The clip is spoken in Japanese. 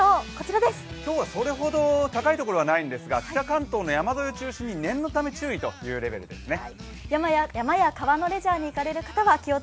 今日はそれほど高いところはないんですが北関東の山沿いを中心に念のため注意という感じですね。